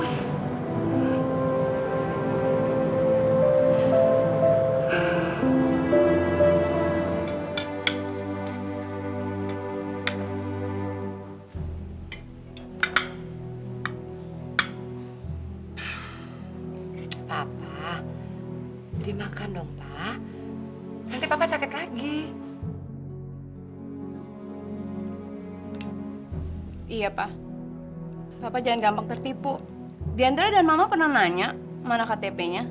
sampai jumpa di video selanjutnya